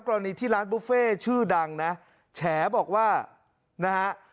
กรณีที่ร้านบุฟเฟ่ชื่อดังนะแฉบอกว่านะฮะ